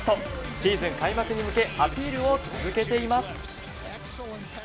シーズン開幕に向けアピールを続けています。